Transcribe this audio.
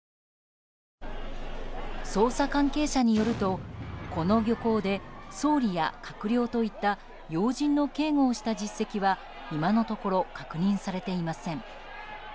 捜査関係者によると、この漁港で総理や閣僚といった要人の警護をした実績は今のところ確認されていません。